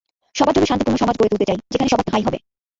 সবার জন্য শান্তিপূর্ণ সমাজ গড়ে তুলতে চাই, যেখানে সবার ঠাঁই হবে।